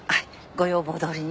ご要望どおりに。